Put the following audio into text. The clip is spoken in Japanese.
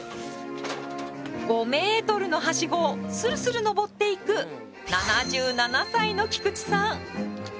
５ｍのハシゴをするするのぼっていく７７歳の菊池さん。